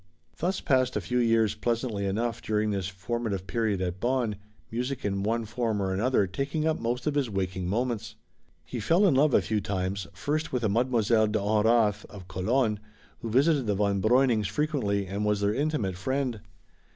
Thus passed a few years pleasantly enough during this formative period at Bonn, music in one form or another taking up most of his waking moments. He fell in love a few times, first with a Mlle. de Honrath of Cologne, who visited the Von Breunings frequently and was their intimate friend.